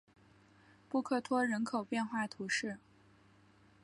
布克托人口变化图示